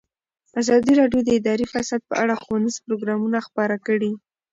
ازادي راډیو د اداري فساد په اړه ښوونیز پروګرامونه خپاره کړي.